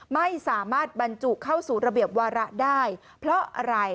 ไม่สามารถบรรจุเข้าสู่ระเบียบวาระได้เพราะอะไร